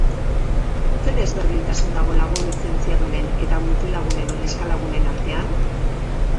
Ze desberdintasun dago lagun lizentziadunen eta mutilagun edo neskalagunen artean?